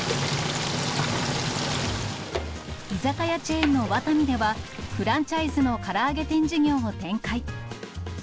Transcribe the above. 居酒屋チェーンのワタミでは、フランチャイズのから揚げ店事業を展開。